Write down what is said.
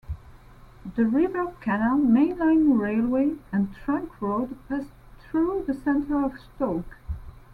The river, canal, mainline railway, and trunk road passed through the centre of Stoke.